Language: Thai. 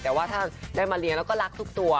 แต่ว่าถ้าได้มาเลี้ยงแล้วก็รักทุกตัว